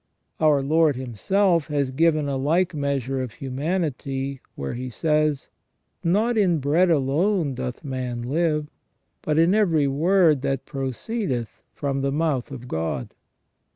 Our Lord Himself has given a like measure of humanity, where he says :" Not in bread alone doth man live, but in every word that proceedeth from the mouth of God